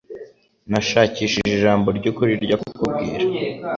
Nashakishije ijambo ryukuri ryo kukubwira